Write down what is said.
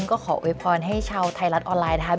ก็ขอโวยพรให้ชาวไทยรัฐออนไลน์นะครับ